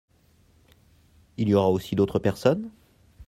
Il y aura aussi d'autres personnes ?